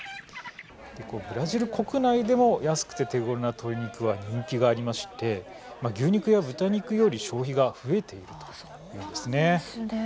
ブラジル国内でも安くて手ごろな鶏肉は人気がありまして牛肉や豚肉より消費が増えているということですね。